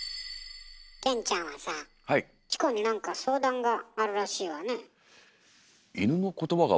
顕ちゃんはさチコに何か相談があるらしいわね。